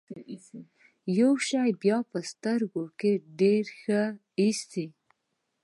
يو شی بيا په سترګو ډېر ښه اېسي.